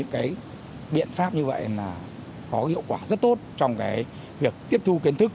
cái biện pháp như vậy là có hiệu quả rất tốt trong cái việc tiếp thu kiến thức